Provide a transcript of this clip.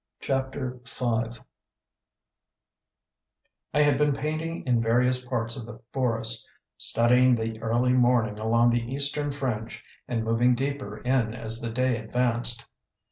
CHAPTER V I had been painting in various parts of the forest, studying the early morning along the eastern fringe and moving deeper in as the day advanced.